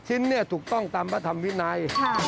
๘ชิ้นถูกต้องตามประธำวินัย